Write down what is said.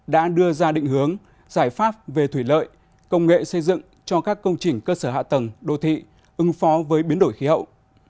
đã đưa ra định hướng giải pháp về thủy lợi công nghệ xây dựng cho các công trình cơ sở hạ tầng đô thị ứng phó với biến đổi khí hậu